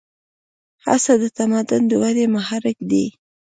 هڅه د تمدن د ودې محرک دی.